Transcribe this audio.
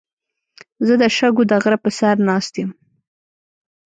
زه د شګو د غره په سر ناست یم.